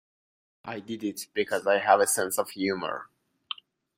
I did it — because I have a sense of humour.